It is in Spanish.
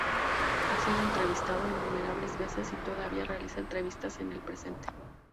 Ha sido entrevistado innumerables veces y todavía realiza entrevistas en el presente.